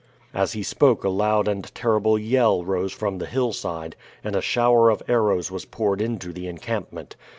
As he spoke a loud and terrible yell rose from the hillside and a shower of arrows was poured into the encampment.